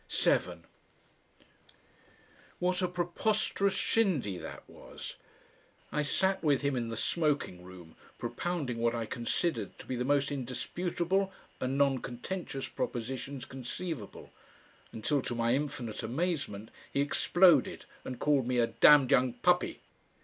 7 What a preposterous shindy that was! I sat with him in the smoking room, propounding what I considered to be the most indisputable and non contentious propositions conceivable until, to my infinite amazement, he exploded and called me a "damned young puppy."